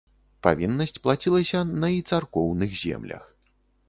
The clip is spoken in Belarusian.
Павіннасць плацілася на і царкоўных землях.